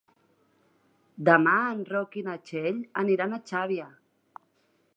Demà en Roc i na Txell aniran a Xàbia.